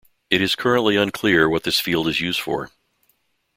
It is currently unclear what this field is used for.